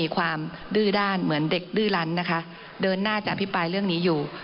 ความดื้อด้านเหมือนเด็กดื้อลันนะคะเดินหน้าจะอภิปรายเรื่องนี้อยู่